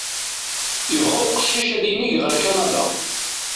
Yebɣa uqcic ad yinig ɣer Kanada.